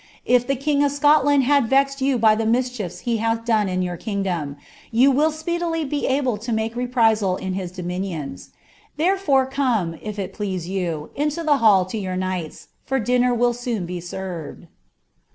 If (he king of Scotland have vexed you by the mischiefs he hath done is your kingdom, you will speedily be able lo make reprisal in his deoih nions Therefore, come, if ii please you, into the hall to your kaJftMi ' for dinnet will soon be served.'